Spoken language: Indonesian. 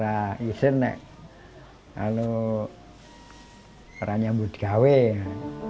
saya tidak pernah berpengalaman